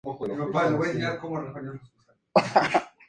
El nombre le fue dado por la colonia en la que se ubica: Buenavista.